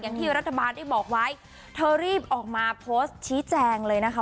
อย่างที่รัฐบาลได้บอกไว้เธอรีบออกมาโพสต์ชี้แจงเลยนะคะ